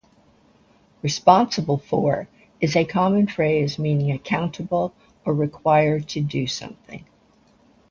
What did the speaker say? "Responsible for" is a common phrase meaning accountable or required to do something.